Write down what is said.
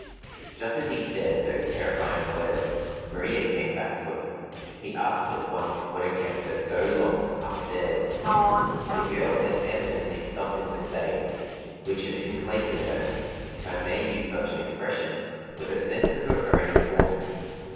Just as he said those terrifying words, Maria came back to us. He asked at once what had kept her so long upstairs. The girl had evidently something to say, which had inflated her (if I may use such an expression) with a sense of her own importance.